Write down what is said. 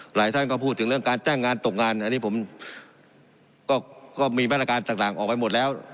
หลายท่านก็พูดถึงเรื่องการจ้างงานตกงานอันนี้ผมก็มีมาตรการต่างออกไปหมดแล้ว